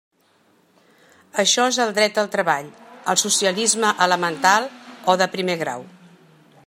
Això és el dret al treball, el socialisme elemental o de primer grau.